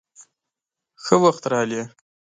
_ښه وخت راغلې.